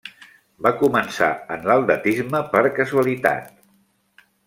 Va començar en l'atletisme per casualitat.